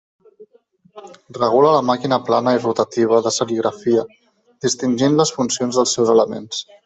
Regula la màquina plana i rotativa de serigrafia, distingint les funcions dels seus elements.